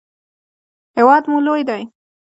هیواد مو لوی ده.